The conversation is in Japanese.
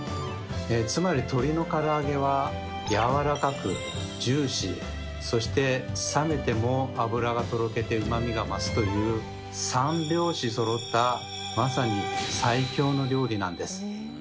つまり鶏のから揚げはやわらかくジューシーそして冷めても脂がとろけてうまみが増すという三拍子そろったまさに最強の料理なんです。